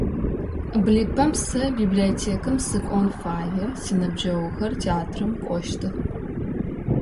Блыпэм сэ библиотекам сыкӏон фае, синыбджэгъухэр театрам кӏощтых.